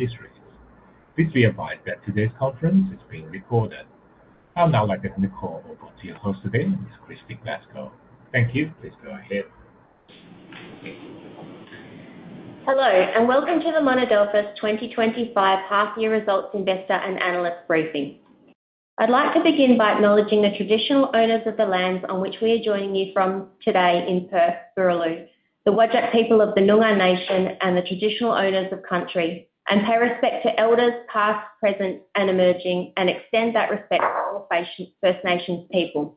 Industries. Please be advised that today's conference is being recorded. I'd now like to hand the call over to your host today, Ms. Kristy Glasgow. Thank you. Please go ahead. Hello, and welcome to the Monadelphous 2025 Half-Year Results Investor and Analyst Briefing. I'd like to begin by acknowledging the traditional owners of the lands on which we are joining you from today in Perth, Boorloo, the Whadjuk people of the Noongar Nation and the traditional owners of Country, and pay respect to Elders past, present, and emerging, and extend that respect to all First Nations people.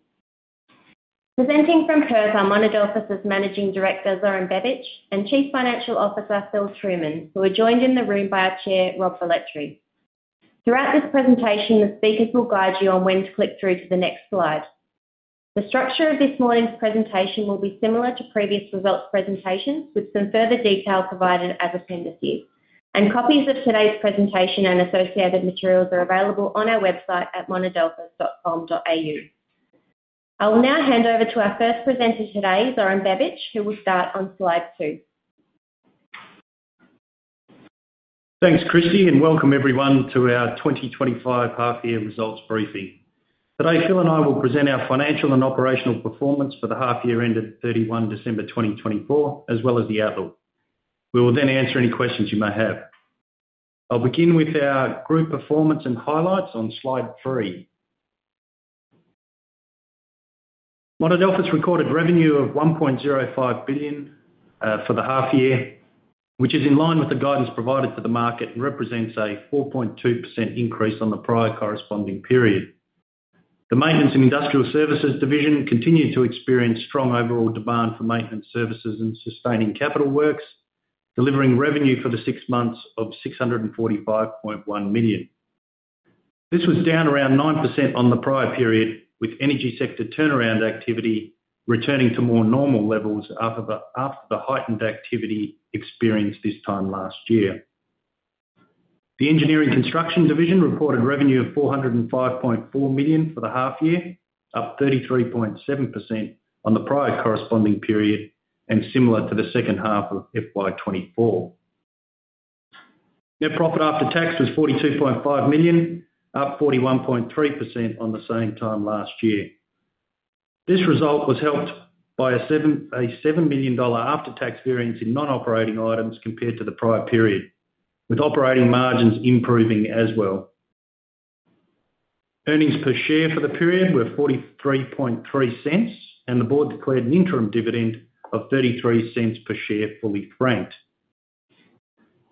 Presenting from Perth are Monadelphous Managing Director, Zoran Bebic, and Chief Financial Officer, Philip Trueman, who are joined in the room by our Chair, Rob Velletri. Throughout this presentation, the speakers will guide you on when to click through to the next slide. The structure of this morning's presentation will be similar to previous results presentations, with some further detail provided as appendices, and copies of today's presentation and associated materials are available on our website at monadelphous.com.au. I will now hand over to our first presenter today, Zoran Bebic, who will start on Slide 2. Thanks, Kristy, and welcome everyone to our 2025 Half-Year Results Briefing. Today, Phil and I will present our financial and operational performance for the half-year ended 31 December 2024, as well as the outlook. We will then answer any questions you may have. I'll begin with our group performance and highlights on slide three. Monadelphous recorded revenue of 1.05 billion for the half-year, which is in line with the guidance provided to the market, represents a 4.2% increase on the prior corresponding period. The Maintenance and Industrial Services Division continued to experience strong overall demand for maintenance services and sustaining capital works, delivering revenue for the six months of 645.1 million. This was down around 9% on the prior period, with energy sector turnaround activity returning to more normal levels after the heightened activity experienced this time last year. The Engineering and Construction Division reported revenue of 405.4 million for the half-year, up 33.7% on the prior corresponding period and similar to the second half of FY 2024. Net profit after tax was 42.5 million, up 41.3% on the same time last year. This result was helped by a 7 million dollar after-tax variance in non-operating items compared to the prior period, with operating margins improving as well. Earnings per share for the period were 43.3, and the board declared an interim dividend of 0.33 per share fully franked.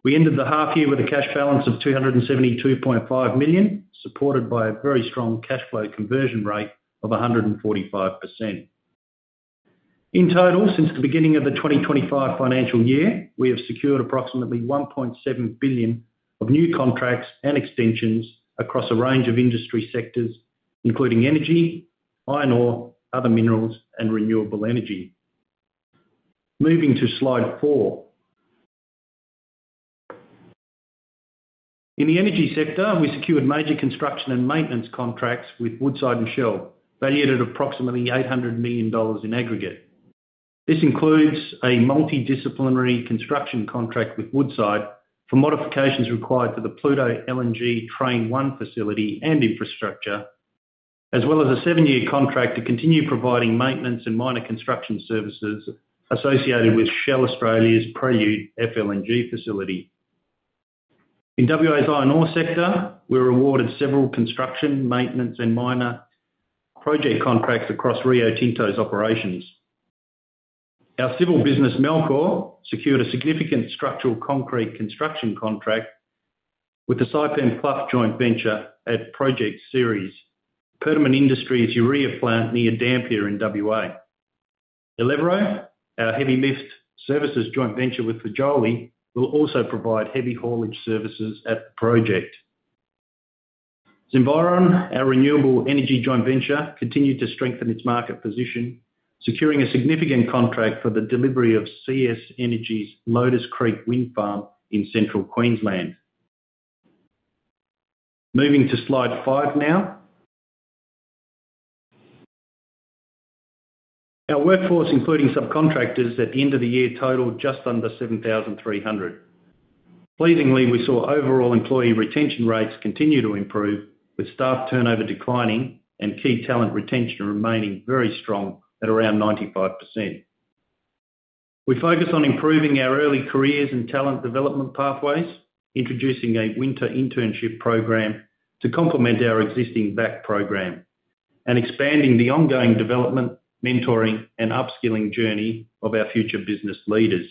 We ended the half-year with a cash balance of 272.5 million, supported by a very strong cash flow conversion rate of 145%. In total, since the beginning of the 2025 financial year, we have secured approximately 1.7 billion of new contracts and extensions across a range of industry sectors, including energy, iron ore, other minerals, and renewable energy. Moving to Slide 4. In the energy sector, we secured major construction and maintenance contracts with Woodside and Shell, valued at approximately 800 million dollars in aggregate. This includes a multidisciplinary construction contract with Woodside for modifications required to the Pluto LNG Train 1 facility and infrastructure, as well as a seven-year contract to continue providing maintenance and minor construction services associated with Shell Australia's Prelude FLNG facility. In WA's iron ore sector, we were awarded several construction, maintenance, and minor project contracts across Rio Tinto's operations. Our civil business, Melchor, secured a significant structural concrete construction contract with the Saipem Clough Joint Venture at Project Ceres, Perdaman Industries' urea plant near Dampier in WA. Alevro, our heavy-lift services joint venture with Fagioli, will also provide heavy haulage services at the project. Zenviron, our renewable energy joint venture, continued to strengthen its market position, securing a significant contract for the delivery of CS Energy's Lotus Creek Wind Farm in Central Queensland. Moving to slide five now. Our workforce, including subcontractors, at the end of the year totaled just under 7,300. Pleasingly, we saw overall employee retention rates continue to improve, with staff turnover declining and key talent retention remaining very strong at around 95%. We focus on improving our early careers and talent development pathways, introducing a winter internship program to complement our existing Vac program, and expanding the ongoing development, mentoring, and upskilling journey of our future business leaders.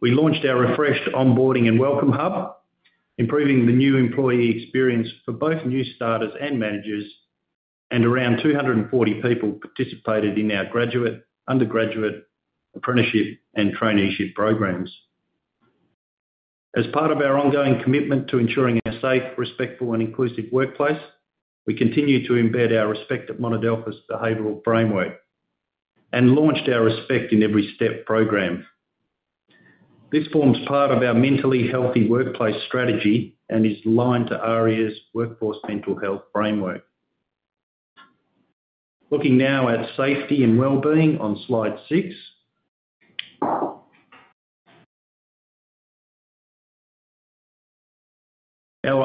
We launched our refreshed onboarding and welcome hub, improving the new employee experience for both new starters and managers, and around 240 people participated in our graduate, undergraduate, apprenticeship, and traineeship programs. As part of our ongoing commitment to ensuring a safe, respectful, and inclusive workplace, we continue to embed our Respect at Monadelphous behavioural framework and launched our Respect in Every Step program. This forms part of our mentally healthy workplace strategy and is aligned to AREEA's workforce mental health framework. Looking now at safety and well-being on slide six, our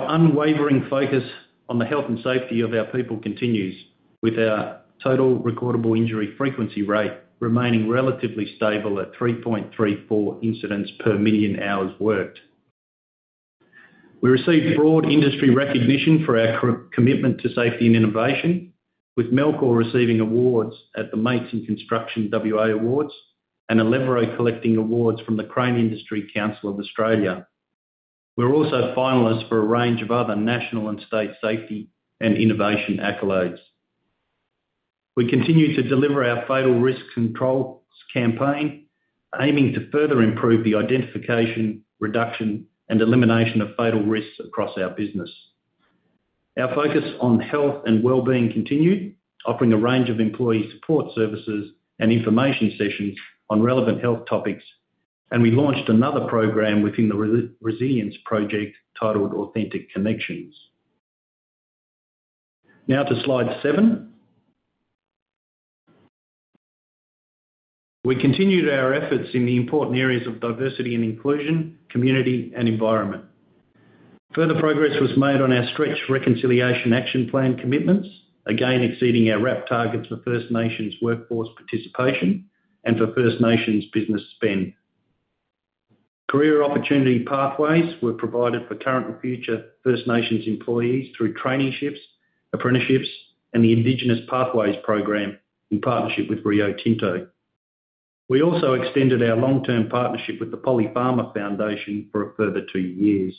unwavering focus on the health and safety of our people continues, with our total recordable injury frequency rate remaining relatively stable at 3.34 incidents per million hours worked. We received broad industry recognition for our commitment to safety and innovation, with Melchor receiving awards at the Mates in Construction WA Awards and Alevro collecting awards from the Crane Industry Council of Australia. We're also finalists for a range of other national and state safety and innovation accolades. We continue to deliver our Fatal Risk Controls campaign, aiming to further improve the identification, reduction, and elimination of fatal risks across our business. Our focus on health and well-being continued, offering a range of employee support services and information sessions on relevant health topics, and we launched another program within the resilience project titled Authentic Connections. Now to slide seven. We continued our efforts in the important areas of diversity and inclusion, community, and environment. Further progress was made on our Stretch Reconciliation Action Plan commitments, again exceeding our RAP targets for First Nations workforce participation and for First Nations business spend. Career opportunity pathways were provided for current and future First Nations employees through traineeships, apprenticeships, and the Indigenous Pathways program in partnership with Rio Tinto. We also extended our long-term partnership with the Polly Farmer Foundation for a further two years.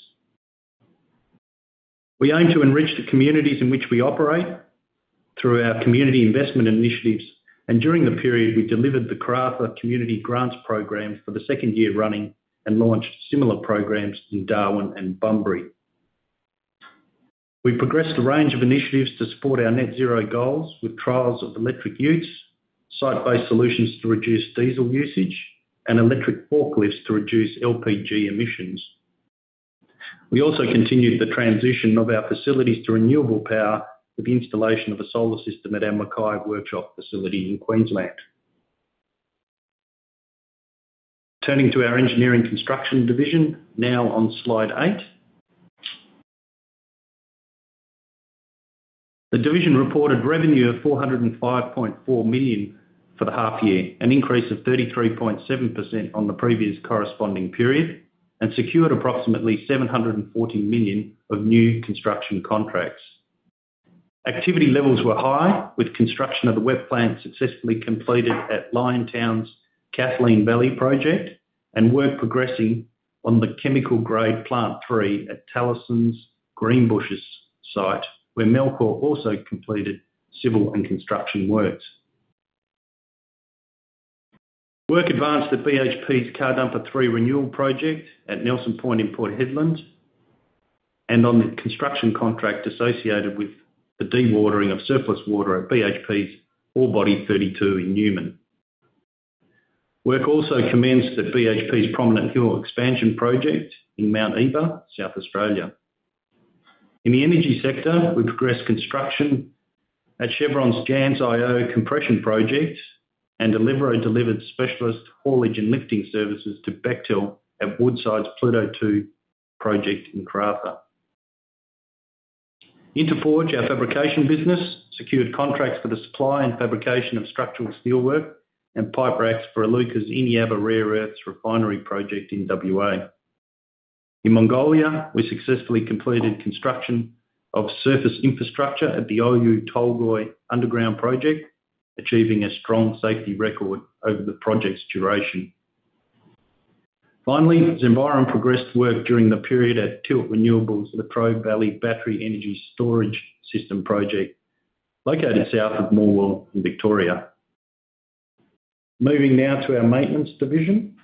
We aim to enrich the communities in which we operate through our community investment initiatives, and during the period, we delivered the Karratha Community Grants program for the second year running and launched similar programs in Darwin and Bunbury. We progressed a range of initiatives to support our net zero goals, with trials of electric utes, site-based solutions to reduce diesel usage, and electric forklifts to reduce LPG emissions. We also continued the transition of our facilities to renewable power with the installation of a solar system at our Mackay workshop facility in Queensland. Turning to our Engineering and Construction Division, now on slide eight, the division reported revenue of 405.4 million for the half-year, an increase of 33.7% on the previous corresponding period, and secured approximately 740 million of new construction contracts. Activity levels were high, with construction of the Wet Plant successfully completed at Liontown's Kathleen Valley project and work progressing on the chemical-grade Plant 3 at Talison's Greenbushes site, where Melchor also completed civil and construction works. Work advanced on the BHP's Car Dumper 3 renewal project at Nelson Point in Port Hedland and on the construction contract associated with the dewatering of surplus water at BHP's Orebody 32 in Newman. Work also commenced at BHP's Prominent Hill Expansion project in Mount Eba, South Australia. In the energy sector, we progressed construction at Chevron's Jansz-Io compression project and Alevro delivered specialist haulage and lifting services to Bechtel at Woodside's Pluto Train 2 project in Karratha. Inteforge, our fabrication business, secured contracts for the supply and fabrication of structural steelwork and pipe racks for Iluka's Eneabba Rare Earths refinery project in WA. In Mongolia, we successfully completed construction of surface infrastructure at the Oyu Tolgoi underground project, achieving a strong safety record over the project's duration. Finally, Zenviron progressed work during the period at Tilt Renewables at the Latrobe Valley Battery Energy Storage System project located south of Morwell in Victoria. Moving now to our Maintenance Division.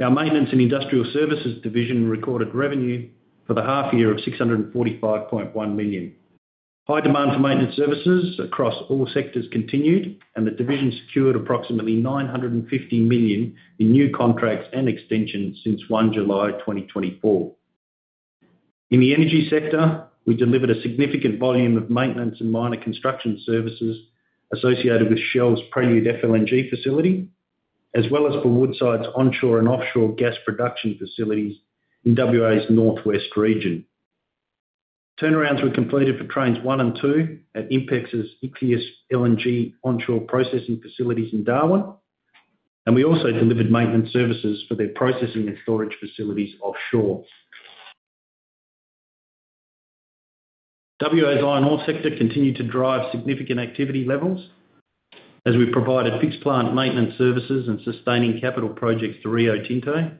Our Maintenance and Industrial Services Division recorded revenue for the half-year of 645.1 million. High demand for maintenance services across all sectors continued, and the division secured approximately 950 million in new contracts and extensions since 1 July 2024. In the energy sector, we delivered a significant volume of maintenance and minor construction services associated with Shell's Prelude FLNG facility, as well as for Woodside's onshore and offshore gas production facilities in WA's northwest region. Turnarounds were completed for Trains one and two at INPEX's Ichthys LNG onshore processing facilities in Darwin, and we also delivered maintenance services for their processing and storage facilities offshore. WA's iron ore sector continued to drive significant activity levels as we provided fixed plant maintenance services and sustaining capital projects to Rio Tinto,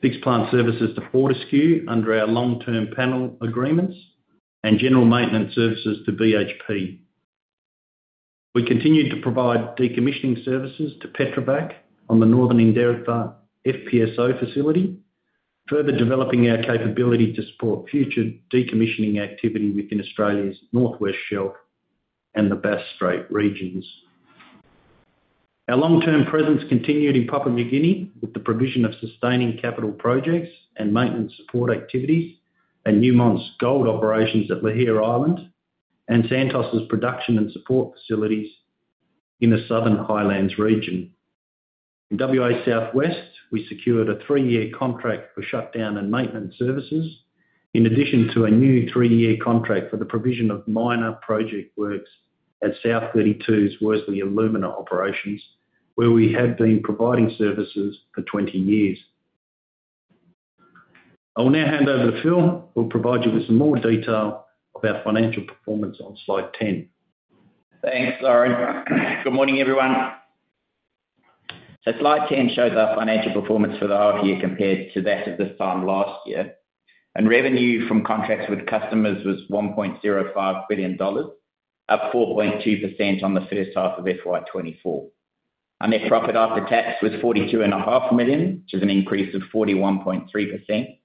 fixed plant services to Fortescue under our long-term panel agreements, and general maintenance services to BHP. We continued to provide decommissioning services to Petrofac on the Northern Endeavour FPSO facility, further developing our capability to support future decommissioning activity within Australia's North West Shelf and the Bass Strait regions. Our long-term presence continued in Papua New Guinea with the provision of sustaining capital projects and maintenance support activities at Newmont's gold operations at Lihir Island and Santos's production and support facilities in the Southern Highlands region. In WA's southwest, we secured a three-year contract for shutdown and maintenance services, in addition to a new three-year contract for the provision of minor project works at South32's Worsley Alumina operations, where we had been providing services for 20 years. I will now hand over to Phil, who will provide you with some more detail of our financial performance on Slide 10. Thanks, Zoran. Good morning, everyone. Slide 10 shows our financial performance for the half-year compared to that of this time last year. Revenue from contracts with customers was 1.05 billion dollars, up 4.2% on the first half of FY 2024. Our profit after tax was 42.5 million, which is an increase of 41.3%,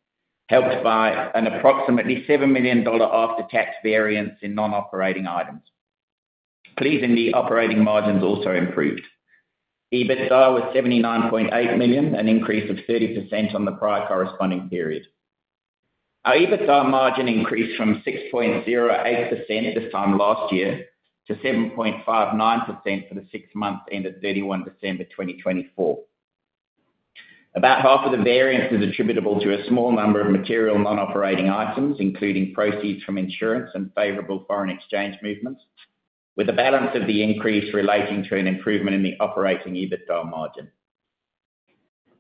helped by an approximately 7 million dollar after-tax variance in non-operating items. Pleasingly, operating margins also improved. EBITDA was 79.8 million, an increase of 30% on the prior corresponding period. Our EBITDA margin increased from 6.08% this time last year to 7.59% for the six months ended 31 December 2024. About half of the variance is attributable to a small number of material non-operating items, including proceeds from insurance and favorable foreign exchange movements, with a balance of the increase relating to an improvement in the operating EBITDA margin.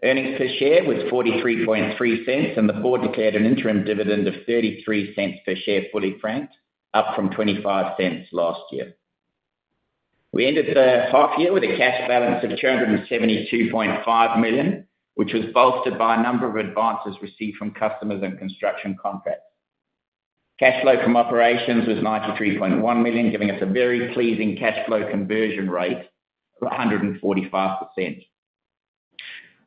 Earnings per share was 43.30, and the board declared an interim dividend of 0.33 per share fully franked, up from 0.25 last year. We ended the half-year with a cash balance of 272.5 million, which was bolstered by a number of advances received from customers and construction contracts. Cash flow from operations was 93.1 million, giving us a very pleasing cash flow conversion rate of 145%.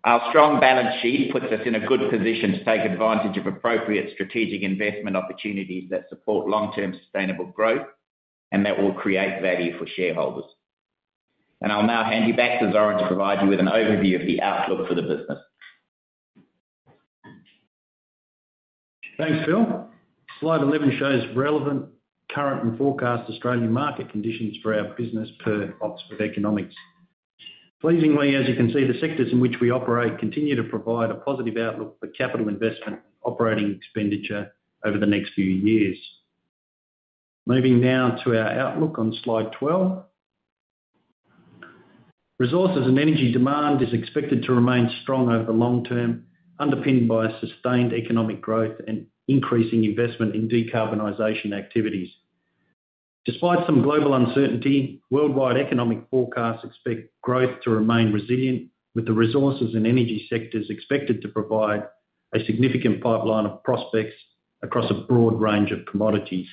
Our strong balance sheet puts us in a good position to take advantage of appropriate strategic investment opportunities that support long-term sustainable growth and that will create value for shareholders. And I'll now hand you back to Zoran to provide you with an overview of the outlook for the business. Thanks, Phil. Slide 11 shows relevant current and forecast Australian market conditions for our business per Oxford Economics. Pleasingly, as you can see, the sectors in which we operate continue to provide a positive outlook for capital investment and operating expenditure over the next few years. Moving now to our outlook on Slide 12. Resources and energy demand is expected to remain strong over the long term, underpinned by sustained economic growth and increasing investment in decarbonization activities. Despite some global uncertainty, worldwide economic forecasts expect growth to remain resilient, with the resources and energy sectors expected to provide a significant pipeline of prospects across a broad range of commodities.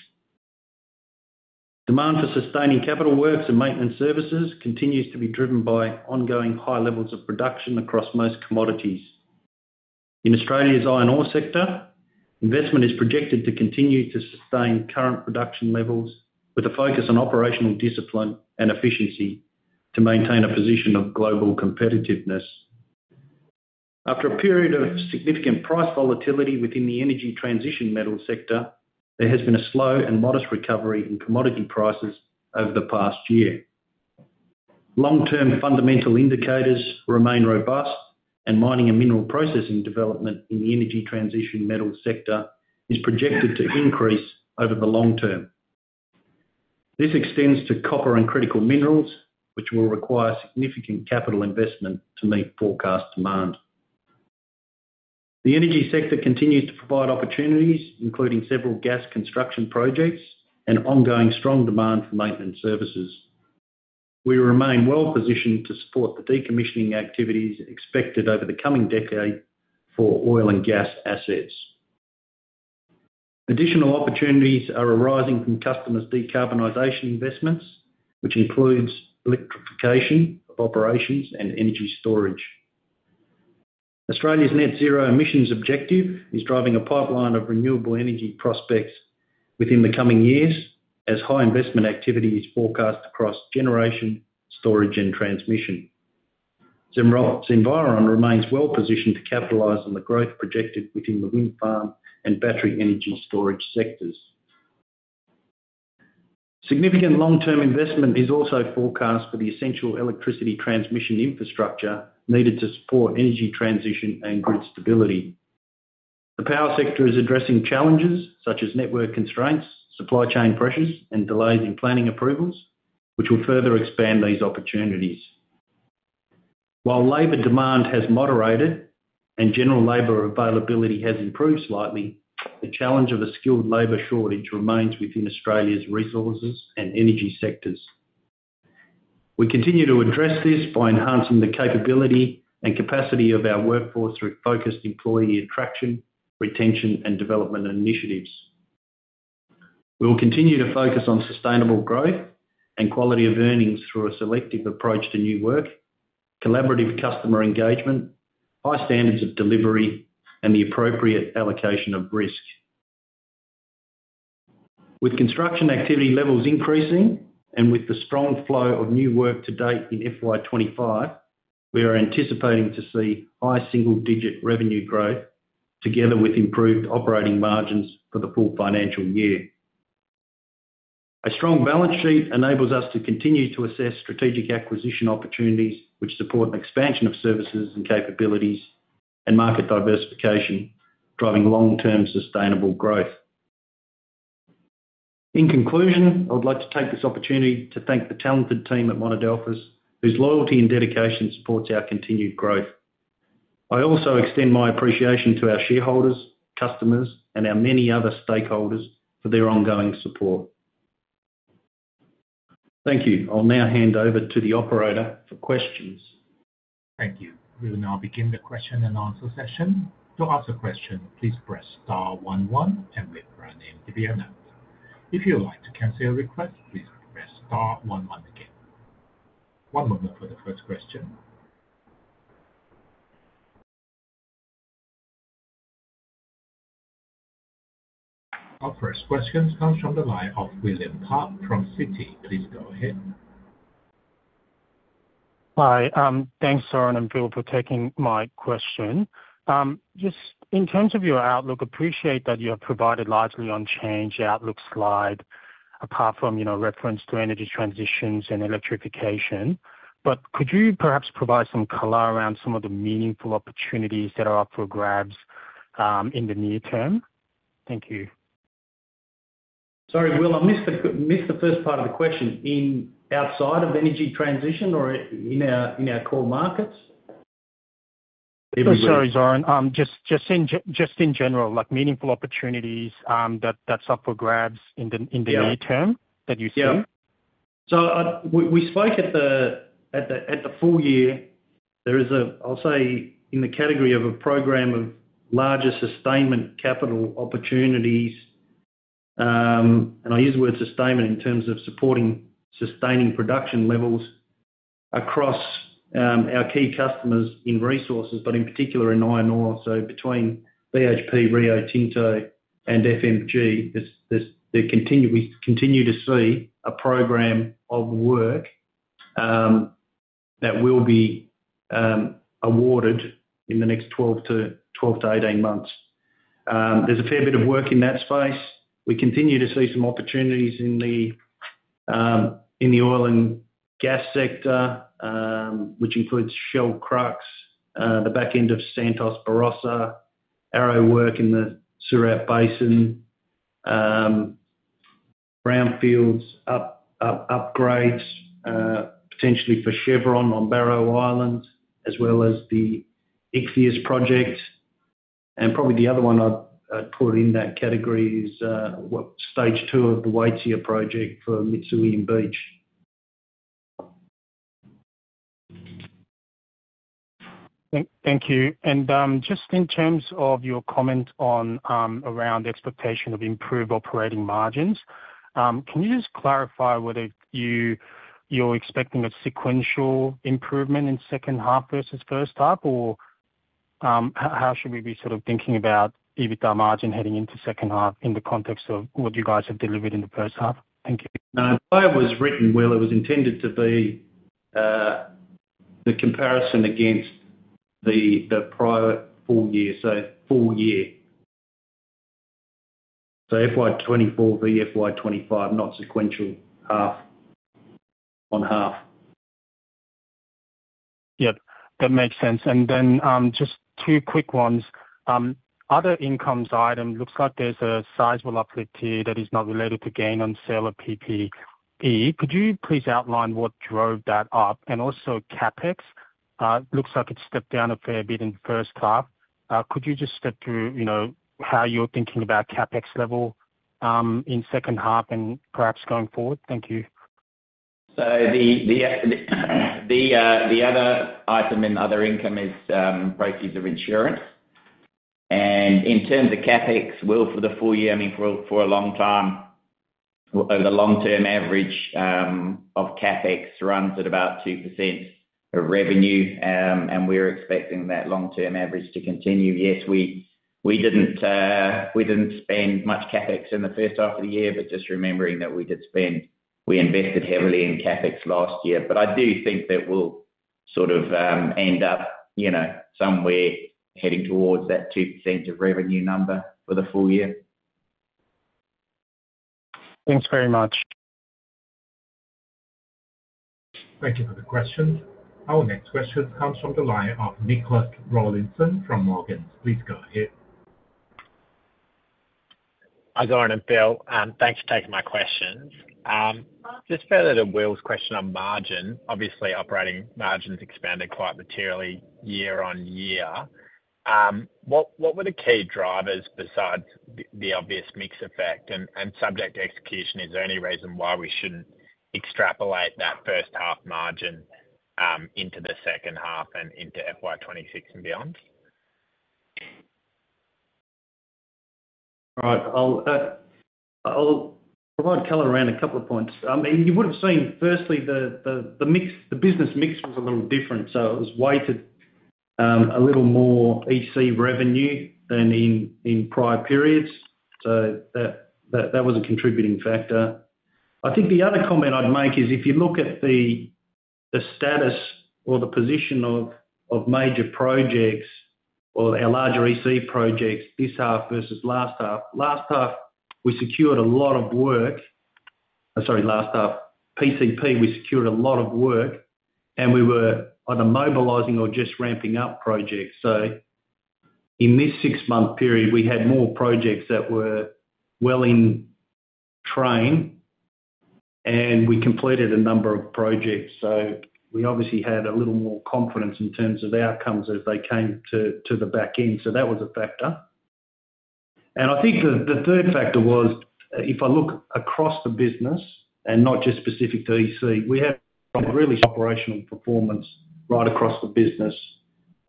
Demand for sustaining capital works and maintenance services continues to be driven by ongoing high levels of production across most commodities. In Australia's iron ore sector, investment is projected to continue to sustain current production levels, with a focus on operational discipline and efficiency to maintain a position of global competitiveness. After a period of significant price volatility within the energy transition metal sector, there has been a slow and modest recovery in commodity prices over the past year. Long-term fundamental indicators remain robust, and mining and mineral processing development in the energy transition metal sector is projected to increase over the long term. This extends to copper and critical minerals, which will require significant capital investment to meet forecast demand. The energy sector continues to provide opportunities, including several gas construction projects and ongoing strong demand for maintenance services. We remain well-positioned to support the decommissioning activities expected over the coming decade for oil and gas assets. Additional opportunities are arising from customers' decarbonization investments, which includes electrification of operations and energy storage. Australia's net zero emissions objective is driving a pipeline of renewable energy prospects within the coming years, as high investment activity is forecast across generation, storage, and transmission. Monadelphous remains well positioned to capitalize on the growth projected within the wind farm and battery energy storage sectors. Significant long-term investment is also forecast for the essential electricity transmission infrastructure needed to support energy transition and grid stability. The power sector is addressing challenges such as network constraints, supply chain pressures, and delays in planning approvals, which will further expand these opportunities. While labor demand has moderated and general labor availability has improved slightly, the challenge of a skilled labor shortage remains within Australia's resources and energy sectors. We continue to address this by enhancing the capability and capacity of our workforce through focused employee attraction, retention, and development initiatives. We will continue to focus on sustainable growth and quality of earnings through a selective approach to new work, collaborative customer engagement, high standards of delivery, and the appropriate allocation of risk. With construction activity levels increasing and with the strong flow of new work to date in FY 2025, we are anticipating to see high single-digit revenue growth, together with improved operating margins for the full financial year. A strong balance sheet enables us to continue to assess strategic acquisition opportunities, which support expansion of services and capabilities and market diversification, driving long-term sustainable growth. In conclusion, I would like to take this opportunity to thank the talented team at Monadelphous, whose loyalty and dedication supports our continued growth. I also extend my appreciation to our shareholders, customers, and our many other stakeholders for their ongoing support. Thank you. I'll now hand over to the operator for questions. Thank you. We will now begin the question and answer session. To ask a question, please press star one one and wait for our name to be announced. If you would like to cancel your request, please press star one one again. One moment for the first question. Our first question comes from the line of William Park from Citi. Please go ahead. Hi. Thanks, Zoran and Phil for taking my question. Just in terms of your outlook, I appreciate that you have provided largely unchanged outlook slide apart from reference to energy transitions and electrification. But could you perhaps provide some color around some of the meaningful opportunities that are up for grabs in the near term? Thank you. Sorry, Will, I missed the first part of the question. Outside of energy transition or in our core markets? Sorry, Zoran. Just in general, meaningful opportunities that's up for grabs in the near term that you see? Yeah. So we spoke at the full year. There is, I'll say, in the category of a program of larger sustaining capital opportunities, and I use the word sustainment in terms of supporting sustaining production levels across our key customers in resources, but in particular in iron ore. So between BHP, Rio Tinto, and FMG, we continue to see a program of work that will be awarded in the next 12 to 18 months. There's a fair bit of work in that space. We continue to see some opportunities in the oil and gas sector, which includes Shell Crux, the back end of Santos Barossa, Arrow work in the Surat Basin, brownfields upgrades, potentially for Chevron on Barrow Island, as well as the Ichthys project. And probably the other one I'd put in that category is stage two of the Waitsia project for Mitsui and Beach. Thank you. And just in terms of your comment around expectation of improved operating margins, can you just clarify whether you're expecting a sequential improvement in second half versus first half, or how should we be sort of thinking about EBITDA margin heading into second half in the context of what you guys have delivered in the first half? Thank you. The way it was written, Will, it was intended to be the comparison against the prior full year, so full year. So FY 2024 v FY 2025, not sequential half on half. Yep. That makes sense. And then just two quick ones. Other income item, looks like there's a size volatility that is not related to gain on sale of PPE. Could you please outline what drove that up? And also CapEx, looks like it stepped down a fair bit in first half. Could you just step through how you're thinking about CapEx level in second half and perhaps going forward? Thank you. So the other item in other income is proceeds of insurance. And in terms of CapEx, Will, for the full year, I mean, for a long time, the long-term average of CapEx runs at about 2% of revenue, and we're expecting that long-term average to continue. Yes, we didn't spend much CapEx in the first half of the year, but just remembering that we invested heavily in CapEx last year. But I do think that we'll sort of end up somewhere heading towards that 2% of revenue number for the full year. Thanks very much. Thank you for the questions. Our next question comes from the line of Nicholas Rawlinson from Morgans. Please go ahead. Hi, Zoran and Phil. Thanks for taking my questions. Just further to Will's question on margin, obviously operating margins expanded quite materially year on year. What were the key drivers besides the obvious mix effect and subject to execution? Is there any reason why we shouldn't extrapolate that first half margin into the second half and into FY 2026 and beyond? Right. I'll provide color around a couple of points. I mean, you would have seen, firstly, the business mix was a little different. So it was weighted a little more EC revenue than in prior periods. So that was a contributing factor. I think the other comment I'd make is if you look at the status or the position of major projects or our larger EC projects, this half versus last half. Last half, we secured a lot of work. Sorry, last half. PCP, we secured a lot of work, and we were either mobilizing or just ramping up projects, so in this six-month period, we had more projects that were well in train, and we completed a number of projects, so we obviously had a little more confidence in terms of outcomes as they came to the back end, so that was a factor, and I think the third factor was, if I look across the business and not just specific to EC, we had really good operational performance right across the business,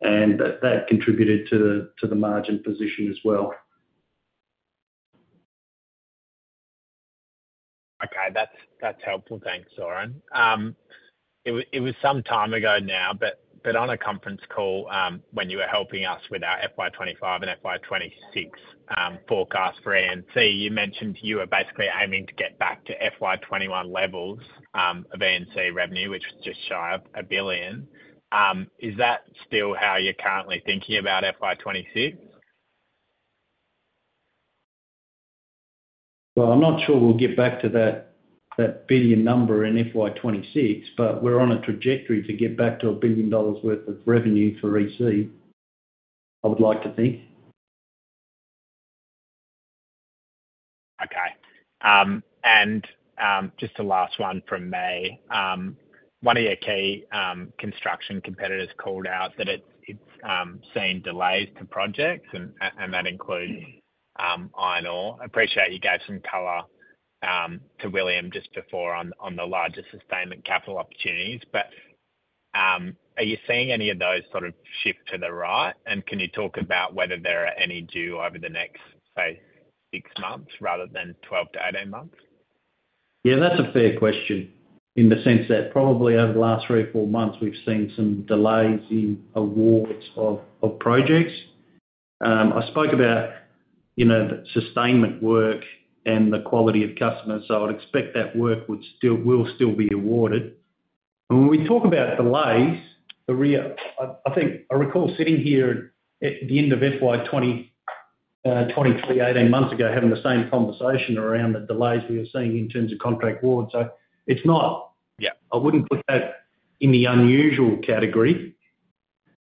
and that contributed to the margin position as well. Okay. That's helpful. Thanks, Zoran. It was some time ago now, but on a conference call when you were helping us with our FY 2025 and FY 2026 forecast for E&C, you mentioned you were basically aiming to get back to FY 2021 levels of E&C revenue, which was just shy of 1 billion. Is that still how you're currently thinking about FY 2026? Well, I'm not sure we'll get back to that 1 billion number in FY 2026, but we're on a trajectory to get back to 1 billion dollars worth of revenue for EC, I would like to think. Okay. And just the last one from May. One of your key construction competitors called out that it's seen delays to projects, and that includes iron ore. I appreciate you gave some color to William just before on the larger sustaining capital opportunities. But are you seeing any of those sort of shift to the right? And can you talk about whether there are any due over the next, say, six months rather than 12 to 18 months? Yeah, that's a fair question in the sense that probably over the last three, four months, we've seen some delays in awards of projects. I spoke about sustainment work and the quality of customers, so I would expect that work will still be awarded. And when we talk about delays, I think I recall sitting here at the end of FY 2023, 18 months ago, having the same conversation around the delays we were seeing in terms of contract awards. So it's not. Yeah. I wouldn't put that in the unusual category.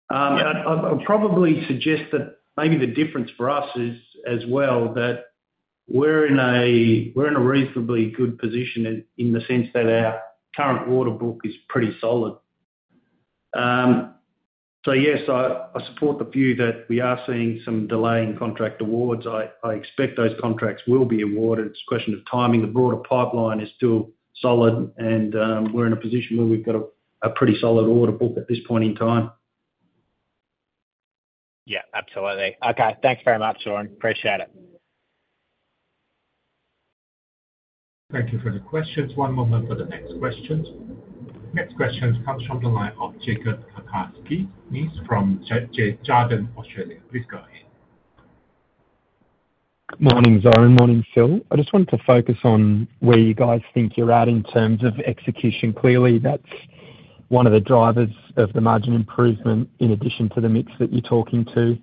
I'd probably suggest that maybe the difference for us is as well that we're in a reasonably good position in the sense that our current order book is pretty solid. So yes, I support the view that we are seeing some delay in contract awards. I expect those contracts will be awarded. It's a question of timing. The broader pipeline is still solid, and we're in a position where we've got a pretty solid order book at this point in time. Yeah. Absolutely. Okay. Thanks very much, Zoran. Appreciate it. Thank you for the questions. One moment for the next questions. Next question comes from the line of Jakob Cakarnis. He's from Jarden, Australia. Please go ahead. Morning, Zoran. Morning, Phil. I just wanted to focus on where you guys think you're at in terms of execution. Clearly, that's one of the drivers of the margin improvement in addition to the mix that you're talking to.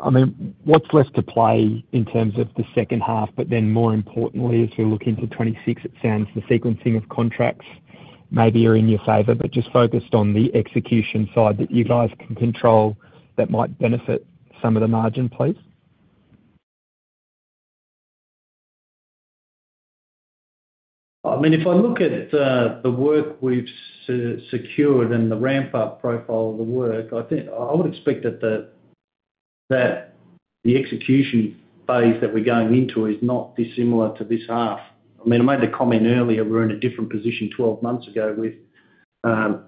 I mean, what's left to play in terms of the second half? But then more importantly, as we look into 2026, it sounds the sequencing of contracts maybe are in your favor, but just focused on the execution side that you guys can control that might benefit some of the margin, please. I mean, if I look at the work we've secured and the ramp-up profile of the work, I would expect that the execution phase that we're going into is not dissimilar to this half. I mean, I made the comment earlier, we're in a different position 12 months ago with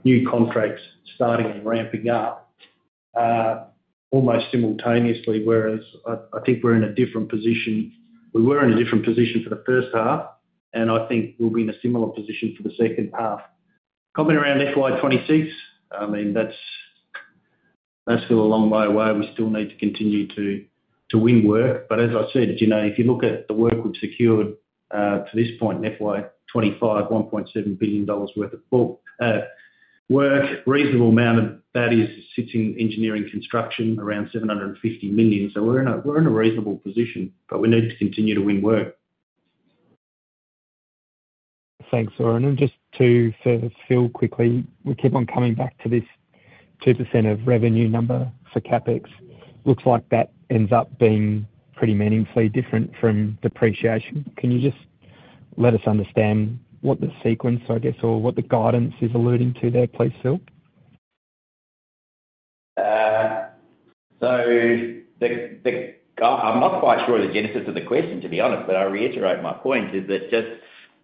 new contracts starting and ramping up almost simultaneously, whereas I think we're in a different position. We were in a different position for the first half, and I think we'll be in a similar position for the second half. Coming around FY 2026, I mean, that's still a long way away. We still need to continue to win work. But as I said, if you look at the work we've secured to this point in FY 2025, 1.7 billion dollars worth of work. Reasonable amount of that sits in engineering construction, around 750 million. So we're in a reasonable position, but we need to continue to win work. Thanks, Zoran. And just to fill quickly, we keep on coming back to this 2% of revenue number for CapEx. Looks like that ends up being pretty meaningfully different from depreciation. Can you just let us understand what the sequence, I guess, or what the guidance is alluding to there, please, Phil? So I'm not quite sure the genesis of the question, to be honest, but I reiterate my point is that just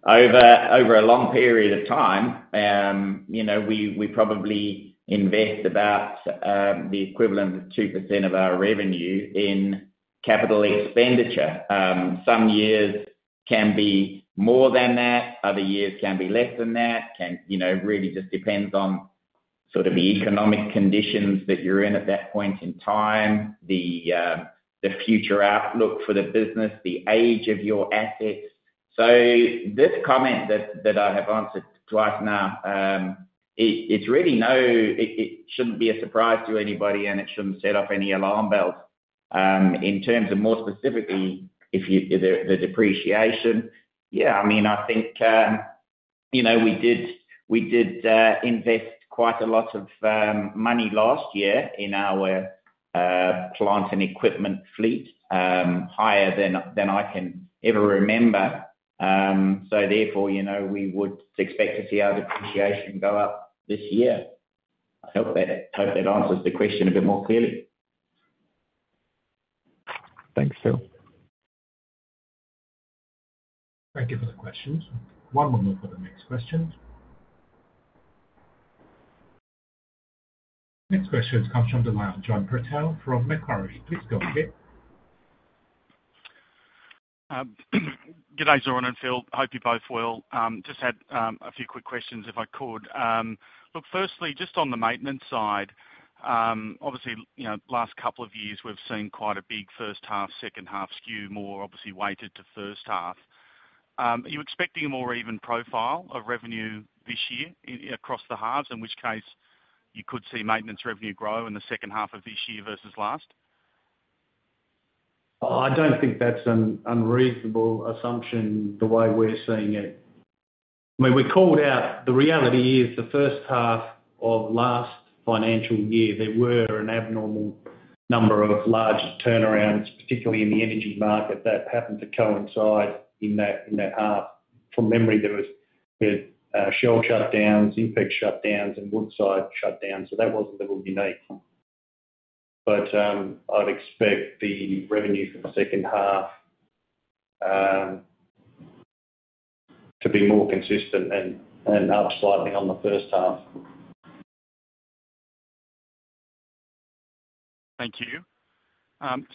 over a long period of time, we probably invest about the equivalent of 2% of our revenue in capital expenditure. Some years can be more than that. Other years can be less than that. It really just depends on sort of the economic conditions that you're in at that point in time, the future outlook for the business, the age of your assets. So this comment that I have answered twice now, it shouldn't be a surprise to anybody, and it shouldn't set off any alarm bells. In terms of more specifically, the depreciation, yeah, I mean, I think we did invest quite a lot of money last year in our plant and equipment fleet, higher than I can ever remember. So therefore, we would expect to see our depreciation go up this year. I hope that answers the question a bit more clearly. Thanks, Phil. Thank you for the questions. One moment for the next question. Next question comes from the line of John Patel from Macquarie. Please go ahead. Good day, Zoran and Phil. Hope you both well. Just had a few quick questions if I could. Look, firstly, just on the maintenance side, obviously, last couple of years, we've seen quite a big first half, second half skew more, obviously weighted to first half. Are you expecting a more even profile of revenue this year across the halves, in which case you could see maintenance revenue grow in the second half of this year versus last? I don't think that's an unreasonable assumption the way we're seeing it. I mean, we called out the reality is the first half of last financial year, there were an abnormal number of large turnarounds, particularly in the energy market, that happened to coincide in that half. From memory, there were Shell shutdowns, INPEX shutdowns, and Woodside shutdowns. So that was a little unique. But I would expect the revenue for the second half to be more consistent and up slightly on the first half. Thank you.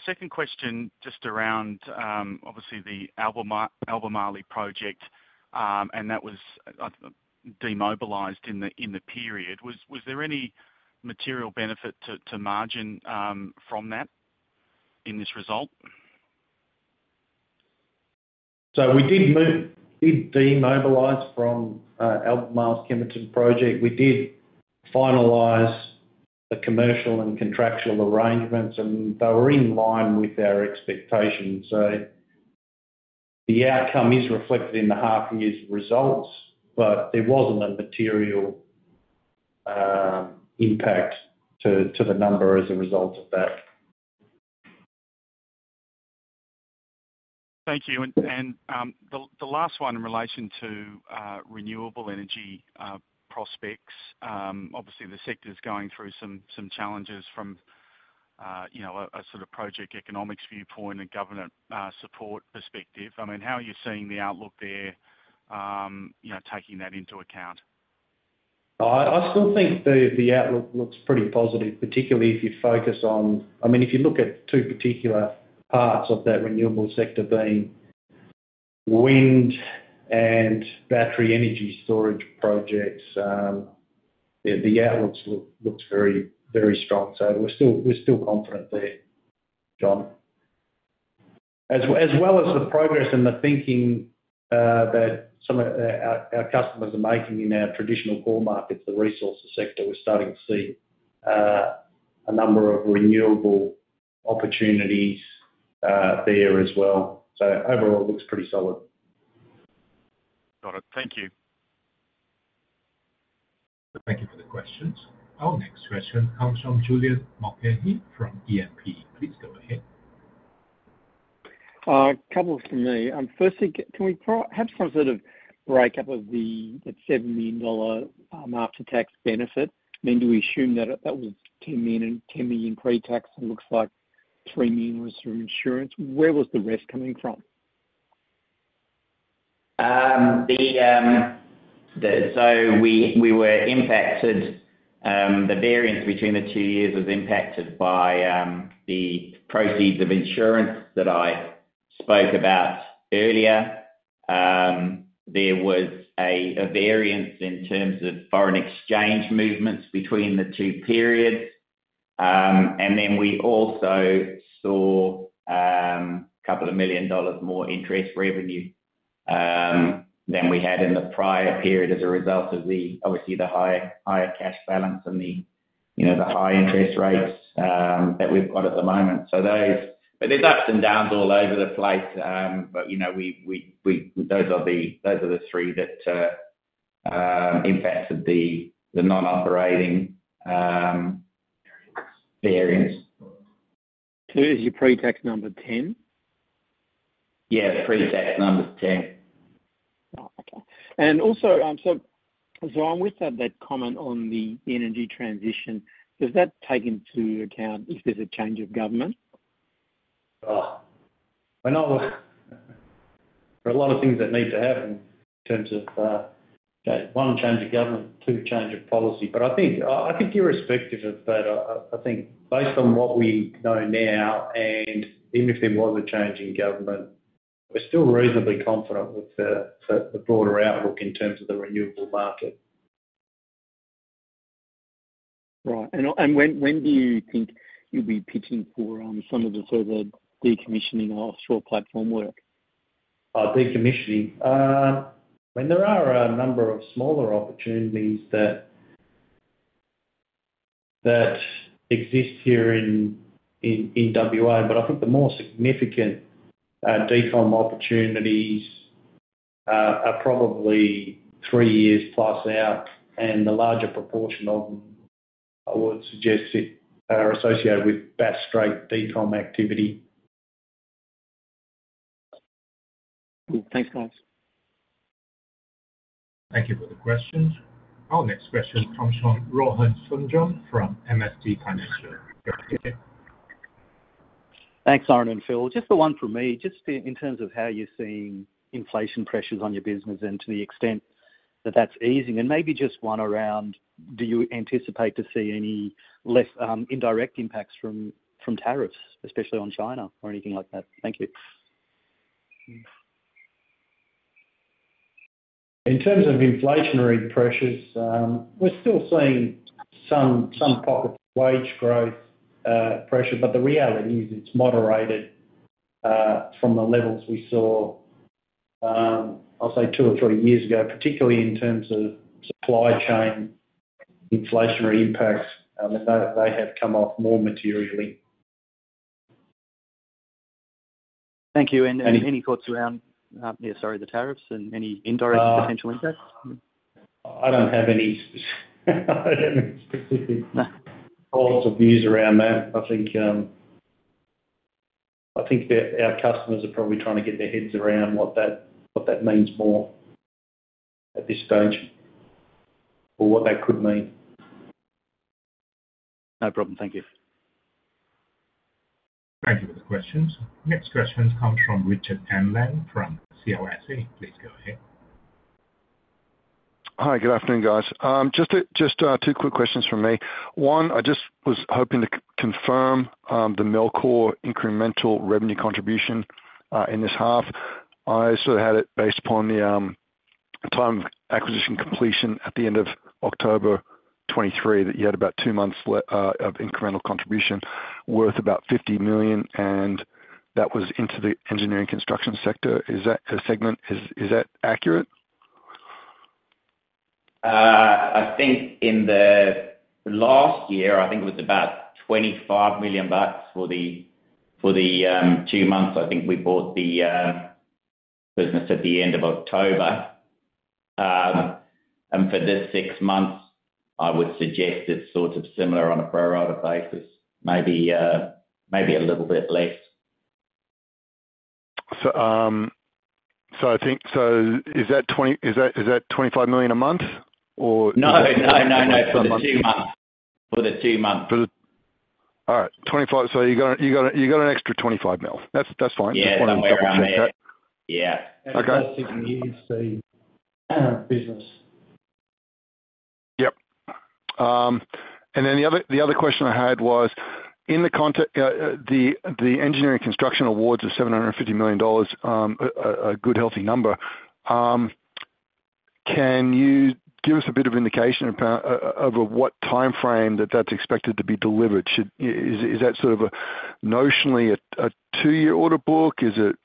Second question just around, obviously, the Albemarle project, and that was demobilised in the period. Was there any material benefit to margin from that in this result? So we did demobilise from Albemarle's Kemerton project. We did finalise the commercial and contractual arrangements, and they were in line with our expectations. So the outcome is reflected in the half-year results, but there wasn't a material impact to the number as a result of that. Thank you. And the last one in relation to renewable energy prospects, obviously, the sector is going through some challenges from a sort of project economics viewpoint and government support perspective. I mean, how are you seeing the outlook there, taking that into account? I still think the outlook looks pretty positive, particularly if you focus on, I mean, if you look at two particular parts of that renewable sector being wind and battery energy storage projects, the outlook looks very strong. So we're still confident there, John. As well as the progress and the thinking that some of our customers are making in our traditional core markets, the resource sector, we're starting to see a number of renewable opportunities there as well. So overall, it looks pretty solid. Got it. Thank you. Thank you for the questions. Our next question comes from Julian Mulcahy from E&P Financial Group. Please go ahead. A couple for me. Firstly, can we have some sort of breakup of the 7 million dollar after-tax benefit? I mean, do we assume that that was 10 million pre-tax and looks like 3 million was through insurance? Where was the rest coming from? So we were impacted. The variance between the two years was impacted by the proceeds of insurance that I spoke about earlier. There was a variance in terms of foreign exchange movements between the two periods. And then we also saw 2 million dollars more interest revenue than we had in the prior period as a result of, obviously, the higher cash balance and the high interest rates that we've got at the moment. But there's ups and downs all over the place. But those are the three that impacted the non-operating variance. So is your pre-tax number 10? Yeah, pre-tax number's 10. Oh, okay. And also, Zoran, with that comment on the energy transition, does that take into account if there's a change of government? There are a lot of things that need to happen in terms of, okay, one change of government, two change of policy. But I think irrespective of that, I think based on what we know now, and even if there was a change in government, we're still reasonably confident with the broader outlook in terms of the renewable market. Right. When do you think you'll be pitching for some of the further decommissioning of offshore platform work? Decommissioning? I mean, there are a number of smaller opportunities that exist here in WA, but I think the more significant decom opportunities are probably three years plus out. The larger proportion of them I would suggest are associated with Bass Strait decom activity. Thanks, guys. Thank you for the questions. Our next question comes from Rohan Sundram from MST Financial. Thanks, Zoran and Phil. Just the one for me, just in terms of how you're seeing inflation pressures on your business and to the extent that that's easing. And maybe just one around, do you anticipate to see any indirect impacts from tariffs, especially on China, or anything like that? Thank you. In terms of inflationary pressures, we're still seeing some pocket wage growth pressure, but the reality is it's moderated from the levels we saw, I'll say, two or three years ago, particularly in terms of supply chain inflationary impacts. I mean, they have come off more materially. Thank you. And any thoughts around, yeah, sorry, the tariffs and any indirect potential impacts? I don't have any specific thoughts or views around that. I think our customers are probably trying to get their heads around what that means more at this stage or what that could mean. No problem. Thank you. Thank you for the questions. Next question comes from Richard Aplin from CLSA. Please go ahead. Hi, good afternoon, guys. Just two quick questions from me. One, I just was hoping to confirm the Melchor incremental revenue contribution in this half. I sort of had it based upon the time of acquisition completion at the end of October 2023 that you had about two months of incremental contribution worth about 50 million, and that was into the engineering construction sector. Is that a segment? Is that accurate? I think in the last year, I think it was about 25 million bucks for the two months. I think we bought the business at the end of October. And for the six months, I would suggest it's sort of similar on a pro-rata basis, maybe a little bit less. So is that 25 million a month or? No, no, no, no. For the two months. All right. So you've got an extra 25 million. That's fine. Just wanted to double-check that. Yeah. That's the unique business. Yep. And then the other question I had was, in the engineering construction awards of 750 million dollars, a good healthy number, can you give us a bit of indication over what timeframe that that's expected to be delivered? Is that sort of notionally a two-year order book? Is it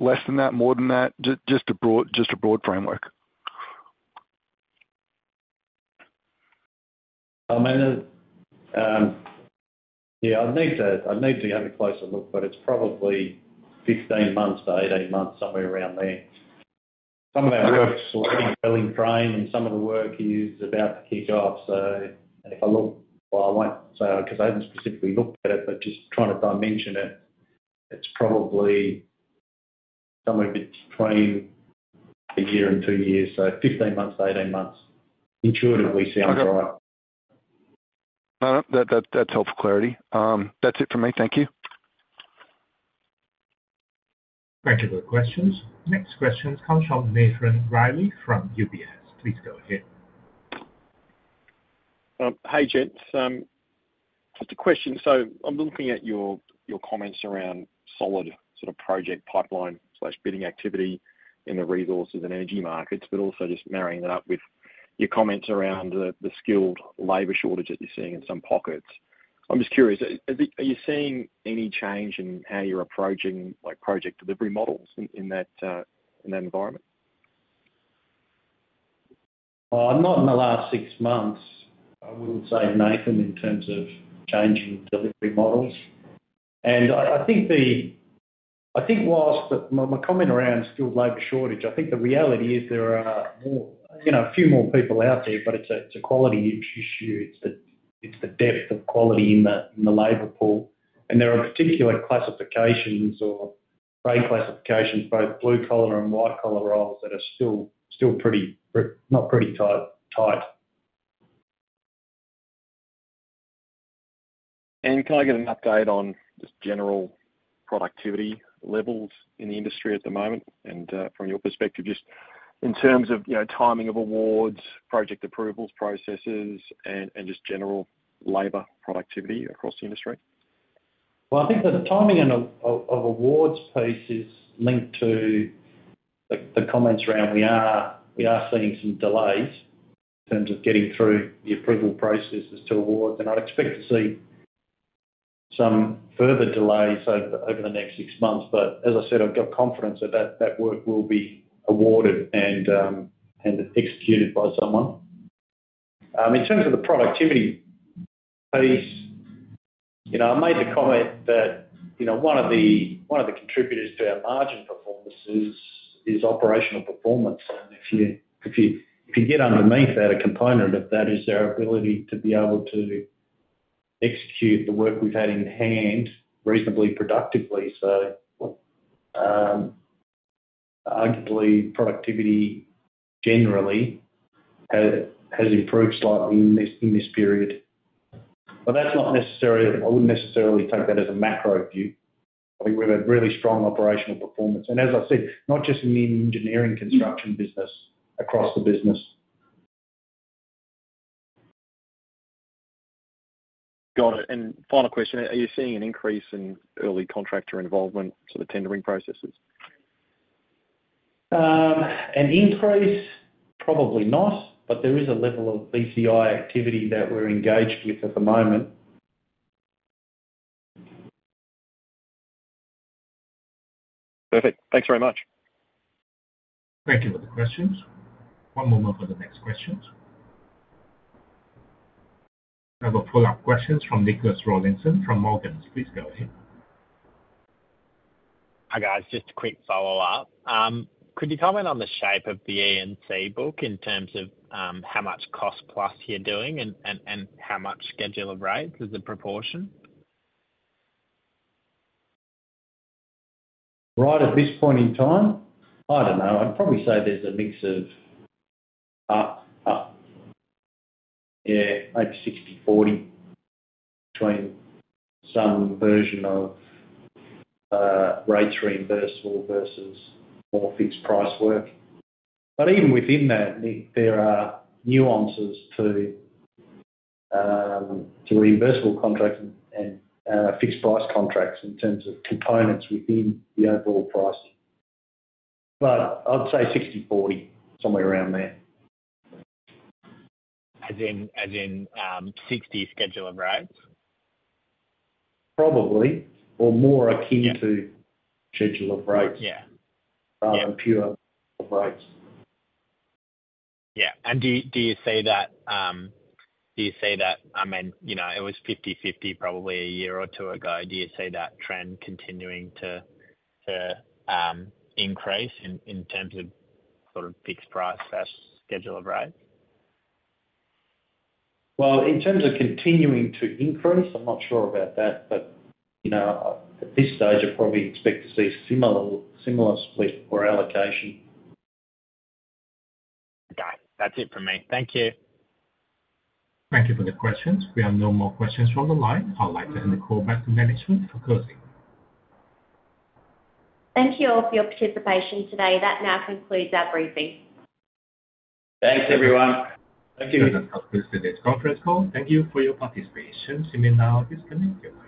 less than that, more than that? Just a broad framework. Yeah, I'd need to have a closer look, but it's probably 15 months to 18 months, somewhere around there. Some of that work's already well in frame, and some of the work is about to kick off. So if I look, well, I won't say because I haven't specifically looked at it, but just trying to dimension it, it's probably somewhere between a year and two years. So 15 months to 18 months intuitively sounds right. No, that's helpful clarity. That's it for me. Thank you. Thank you for the questions. Next question comes from Nathan Reilly from UBS. Please go ahead. Hey, Zoran. Just a question. So I'm looking at your comments around solid sort of project pipeline/bidding activity in the resources and energy markets, but also just marrying that up with your comments around the skilled labour shortage that you're seeing in some pockets. I'm just curious, are you seeing any change in how you're approaching project delivery models in that environment? I'm not in the last six months. I wouldn't say nothing in terms of changing delivery models. I think while my comment around skilled labor shortage, I think the reality is there are a few more people out there, but it's a quality issue. It's the depth of quality in the labor pool. There are particular classifications or grade classifications, both blue collar and white collar roles that are still pretty tight. Can I get an update on just general productivity levels in the industry at the moment? From your perspective, just in terms of timing of awards, project approvals processes, and just general labor productivity across the industry? I think the timing of awards piece is linked to the comments around we are seeing some delays in terms of getting through the approval processes to awards. I'd expect to see some further delays over the next six months. But as I said, I've got confidence that that work will be awarded and executed by someone. In terms of the productivity piece, I made the comment that one of the contributors to our margin performance is operational performance. And if you get underneath that, a component of that is our ability to be able to execute the work we've had in hand reasonably productively. So arguably, productivity generally has improved slightly in this period. But I wouldn't necessarily take that as a macro view. I think we have a really strong operational performance. And as I said, not just in the engineering construction business, across the business. Got it. And final question, are you seeing an increase in early contractor involvement to the tendering processes? An increase? Probably not, but there is a level of ECI activity that we're engaged with at the moment. Perfect. Thanks very much. Thank you for the questions. One moment for the next questions. We have a follow-up question from Nicholas Rawlinson from Morgans. Please go ahead. Hi, guys. Just a quick follow-up. Could you comment on the shape of the E&C book in terms of how much cost plus you're doing and how much schedule of rates as a proportion? Right at this point in time, I don't know. I'd probably say there's a mix of, yeah, maybe 60/40 between some version of rates reimbursable versus more fixed price work. But even within that, there are nuances to reimbursable contracts and fixed price contracts in terms of components within the overall pricing. But I'd say 60/40, somewhere around there. As in 60 schedule of rates? Probably. Or more akin to schedule of rates. Yeah. Rather than pure rates. Yeah. Do you see that, I mean, it was 50/50 probably a year or two ago. Do you see that trend continuing to increase in terms of sort of fixed price/schedule of rates? Well, in terms of continuing to increase, I'm not sure about that. But at this stage, I probably expect to see a similar split or allocation. Okay. That's it for me. Thank you Thank you for the questions. We have no more questions from the line. I'd like to hand the call back to management for closing. Thank you all for your participation today. That now concludes our briefing. Thanks, everyone. Thank you. Thank you for listening to this conference call. Thank you for your participation. System now is connected.